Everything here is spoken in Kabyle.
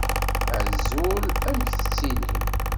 Azul, amek tettilim?